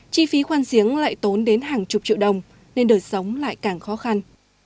chi phí khoan giếng lại tốn đến hàng chục triệu đồng nên đời sống lại càng khó khăn